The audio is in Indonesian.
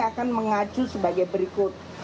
akan mengacu sebagai berikut